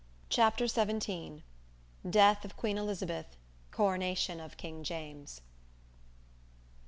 _ CHAPTER XVII. DEATH OF QUEEN ELIZABETH. CORONATION OF KING JAMES.